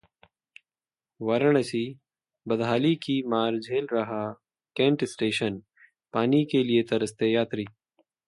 वाराणसी: बदहाली की मार झेल रहा कैंट स्टेशन, पानी के लिए तरसते यात्री